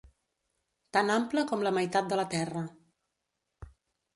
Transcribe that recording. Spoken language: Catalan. Tan ample com la meitat de la terra.